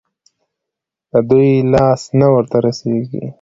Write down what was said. د دوى لاس نه ورته رسېږي.